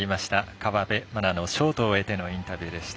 河辺愛菜のショートを終えてのインタビューでした。